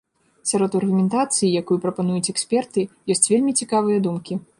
Сярод аргументацыі, якую прапануюць эксперты, ёсць вельмі цікавыя думкі.